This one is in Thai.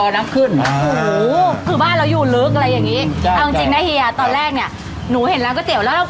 แล้วบ้านเราอยู่ลึกอะไรอย่างนี้